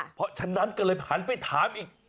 เพราะฉะนั้นก็เลยหันไปถามอีก